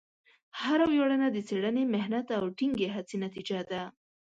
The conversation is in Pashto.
هره ویاړنه د څېړنې، محنت، او ټینګې هڅې نتیجه ده.